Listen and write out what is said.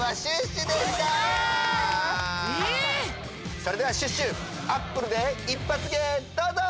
それではシュッシュ「アップル」で一発芸どうぞ！